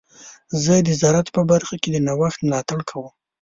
زه د زراعت په برخه کې د نوښت ملاتړ کوم.